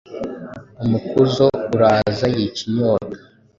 umukuzo uraza yica inyota